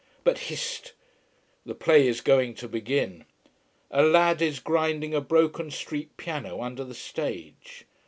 But hist! the play is going to begin. A lad is grinding a broken street piano under the stage.